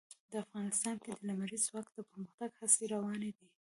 افغانستان کې د لمریز ځواک د پرمختګ هڅې روانې دي.